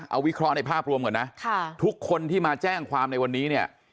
เอาวิเคราะห์ในภาพรวมก่อนนะทุกคนที่มาแจ้งความในวันนี้เนี่ย